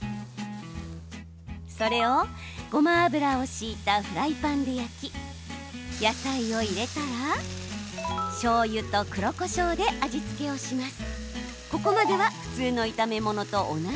それをごま油を引いたフライパンで焼き野菜を入れたらしょうゆと黒こしょうで味付けをします。